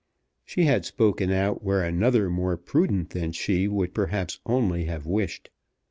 She had spoken out where another more prudent than she would perhaps only have wished.